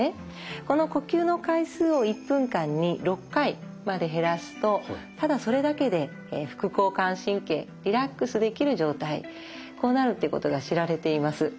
この呼吸の回数を１分間に６回まで減らすとただそれだけで副交感神経リラックスできる状態こうなるってことが知られています。